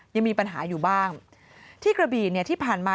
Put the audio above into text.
ยังมีปัญหาอยู่บ้างที่กระบีเนี่ยที่ผ่านมา